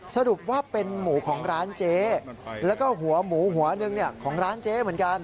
สรุปว่าเป็นหมูของร้านเจ๊แล้วก็หัวหมูหัวหนึ่งของร้านเจ๊เหมือนกัน